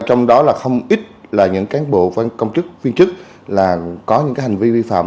trong đó là không ít là những cán bộ công chức viên chức là có những hành vi vi phạm